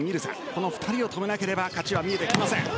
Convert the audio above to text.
この２人を止めなければ勝ちは見えてきません。